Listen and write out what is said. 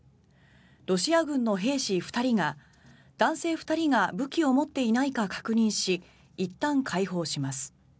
ロシア軍の兵士２人が男性２人が武器を持っていないか確認しいったん解放します。